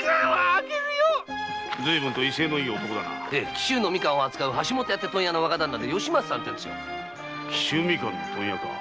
紀州のみかんを扱う橋本屋って問屋の若旦那で吉松さんって紀州みかんのいうんですよ。